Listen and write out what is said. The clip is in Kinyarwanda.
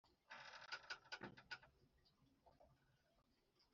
mico ubwe nawe yafashe ijambo.